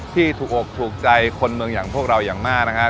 ที่ถูกอกถูกใจคนเมืองอย่างพวกเราอย่างมากนะครับ